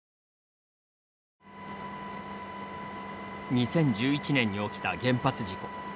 ２０１１年に起きた原発事故。